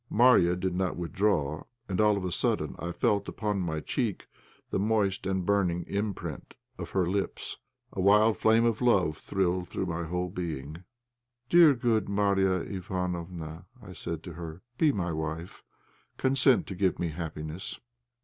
Marya did not withdraw it, and all of a sudden I felt upon my cheek the moist and burning imprint of her lips. A wild flame of love thrilled through my whole being. "Dear, good Marya Ivánofna," I said to her, "be my wife. Consent to give me happiness."